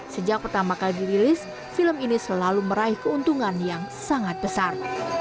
sejak pertama kali dirilis film ini selalu meraih keuntungan yang sangat besar